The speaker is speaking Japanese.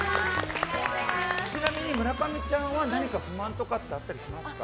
ちなみに村上ちゃんは不満とかってあったりしますか？